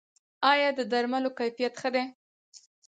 آیا د درملو کیفیت ښه دی؟